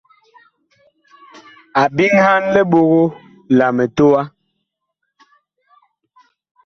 A biŋhan liɓogo la mitowa.